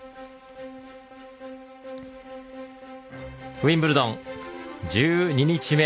ウィンブルドン１２日目。